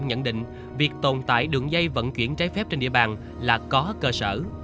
nhận định việc tồn tại đường dây vận chuyển trái phép trên địa bàn là có cơ sở